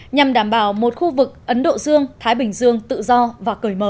nhằm đảm bảo một khu vực ấn độ dương thái bình dương tự do và cởi mở